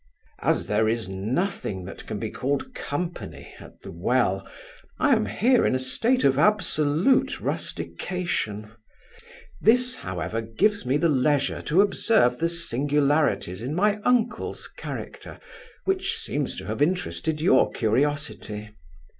As there is nothing that can be called company at the Well, I am here in a state of absolute rustication: This, however, gives me leisure to observe the singularities in my uncle's character, which seems to have interested your curiosity.